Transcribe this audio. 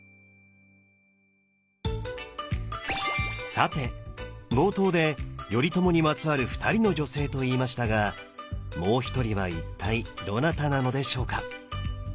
さて冒頭で頼朝にまつわる２人の女性と言いましたがもう一人は一体どなたなのでしょうか？